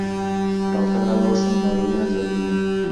که ډاکټر ته لاړ شو نو ناروغي نه زیاتیږي.